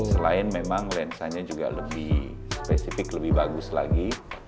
selain memang lensanya juga lebih spesifik lebih bagus lagi